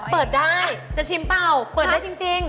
เปิดได้จะชิมเปล่าเปิดได้จริง